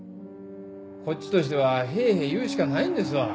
こっちとしてはへぇへぇ言うしかないんですわ。